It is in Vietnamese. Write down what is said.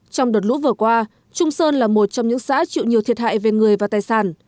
trong đợt lũ vừa qua trung sơn là một trong những xã chịu nhiều thiệt hại về người và tài sản